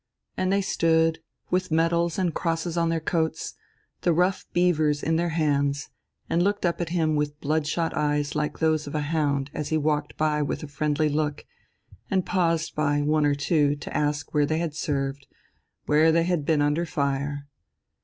And they stood, with medals and crosses on their coats, the rough beavers in their hands, and looked up at him with blood shot eyes like those of a hound as he walked by with a friendly look, and paused by one or two to ask where they had served, where they had been under fire....